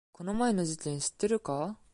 この前の事件知ってるか？